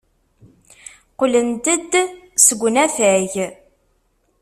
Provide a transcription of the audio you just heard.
Qqlent-d seg unafag.